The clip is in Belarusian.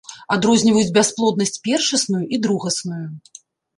Адрозніваюць бясплоднасць першасную і другасную.